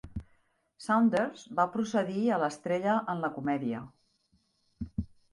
Saunders va procedir a l'estrella en la comèdia.